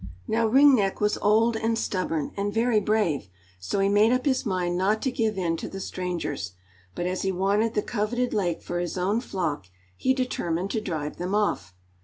Now Ring Neck was old and stubborn, and very brave, so he made up his mind not to give in to the strangers, but as he wanted the coveted lake for his own flock, he determined to drive them off.